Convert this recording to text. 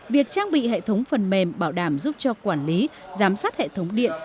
việc trang bị hệ thống phần mềm bảo đảm giúp cho quản lý giám sát hệ thống điện